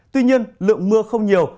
tuy nhiên lượng mưa không nhiều